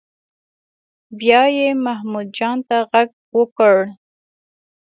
بیا یې محمود جان ته غږ وکړ.